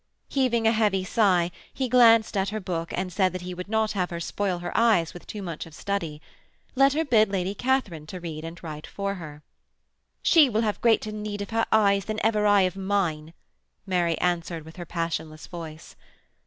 Heaving a heavy sigh, he glanced at her book and said that he would not have her spoil her eyes with too much of study; let her bid Lady Katharine to read and write for her. 'She will have greater need of her eyes than ever I of mine,' Mary answered with her passionless voice.